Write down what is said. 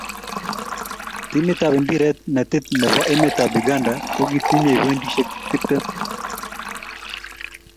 Timitab impiretab netit nebo emetab Uganda kokitinyei pointisyek tiptem.